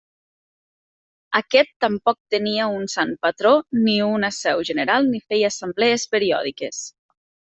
Aquest tampoc no tenia un sant patró, ni una seu general ni feia assemblees periòdiques.